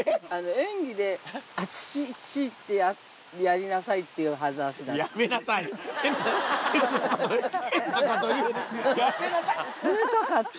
演技であちちってやりなさいっていうはずだった。